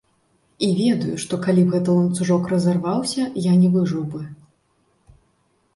І ведаю, што, калі б гэты ланцужок разарваўся, я не выжыў бы.